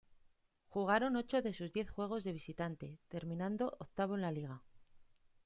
Jugaron ocho de sus diez juegos de visitante, terminando octavo en la liga.